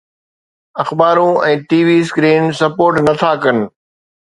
اخبارون ۽ T V screen support نٿا ڪن